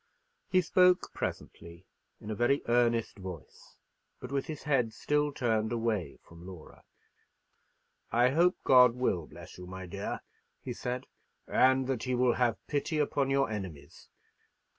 He spoke presently, in a very earnest voice, but with his head still turned away from Laura. "I hope God will bless you, my dear," he said; "and that He will have pity upon your enemies."